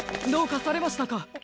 どうかされましたか？